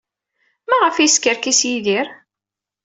Maɣef ay yeskerkis Yidir?